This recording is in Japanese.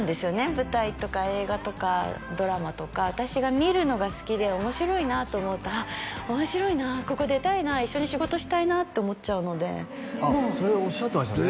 舞台とか映画とかドラマとか私が見るのが好きで面白いなと思うとああ面白いなここ出たいな一緒に仕事したいなって思っちゃうのでそれおっしゃってましたね